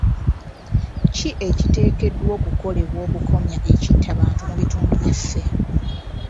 Ki ekiteekeddwa okukolebwa okukomya ekitta bantu mu bitundu byaffe?